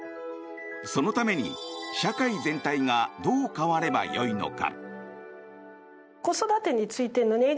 そのために社会全体がどう変わればよいのか。